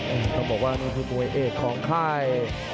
ต้องบอกว่านี่คือมวยเอกของค่าย